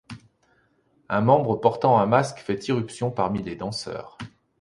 Un homme portant un masque fait irruption parmi les danseurs.